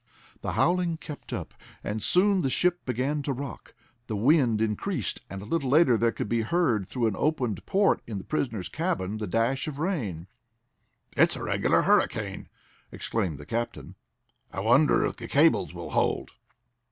The howling kept up, and soon the ship began to rock. The wind increased, and a little later there could be heard, through an opened port in the prisoners' cabin, the dash of rain. "It's a regular hurricane!" exclaimed the captain. "I wonder if the cables will hold?"